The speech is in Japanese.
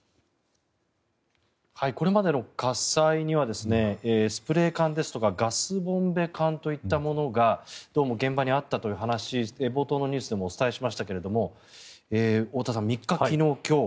これまでの火災にはスプレー缶ですとかガスボンベ缶といったものがどうも現場にあったという話冒頭のニュースでもお伝えしましたけども太田さん、３日、昨日、今日。